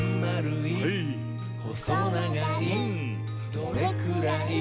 「どれくらい？